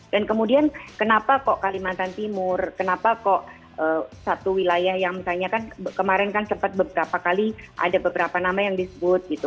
dan kemudian kenapa kok kalimantan timur kenapa kok satu wilayah yang misalnya kan kemarin kan sempat beberapa kali ada beberapa nama yang disebut